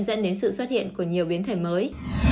dẫn đến sự xuất hiện của nhiều biến thể mới